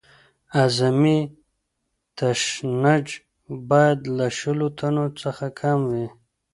اعظمي تشنج باید له شلو ټنو څخه کم وي